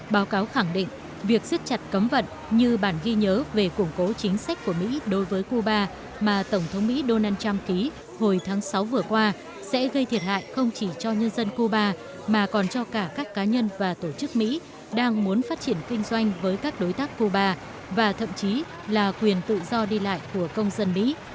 báo cáo khẳng định việc giết chặt cấm vận như bản ghi nhớ về củng cố chính sách của mỹ đối với cuba mà tổng thống mỹ donald trump ký hồi tháng sáu vừa qua sẽ gây thiệt hại không chỉ cho nhân dân cuba mà còn cho cả các cá nhân và tổ chức mỹ đang muốn phát triển kinh doanh với các đối tác cuba và thậm chí là quyền tự do đi lại của công dân mỹ